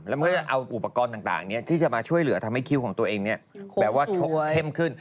แล้วมันก็จะเอาอุปกรณ์ต่างเนี่ยที่จะมาช่วยเหลือทำให้คิ้วของตัวเองเนี่ยแบบว่าเข้มขึ้น